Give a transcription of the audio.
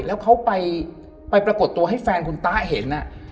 แล้วเขาไปปรากฏตัวให้แฟนคุณตาเห็น